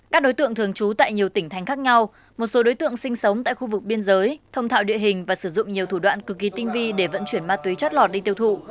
các đối tượng thường trú tại nhiều tỉnh thành khác nhau một số đối tượng sinh sống tại khu vực biên giới thông thạo địa hình và sử dụng nhiều thủ đoạn cực kỳ tinh vi để vận chuyển ma túy chót lọt đi tiêu thụ